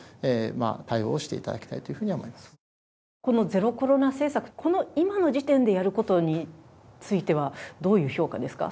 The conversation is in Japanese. ゼロコロナ政策、今の時点でやることについては、どういう評価ですか？